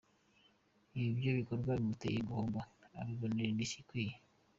Iyo ibyo bikorwa bimuteye gihombo abibonera indishyi ikwiye.